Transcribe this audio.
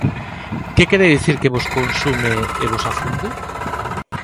Que quere dicir que vos consume e vos afunde?